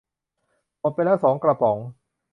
หมดไปแล้วสองกระป๋อง